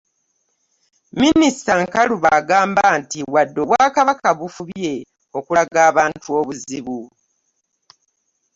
Minisita Nkalubo agamba nti wadde Obwakabaka bufubye okulaga abantu obuzibu